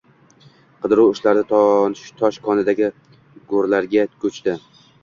Qidiruv ishlari tosh konidagi g`orlarga ko`chdi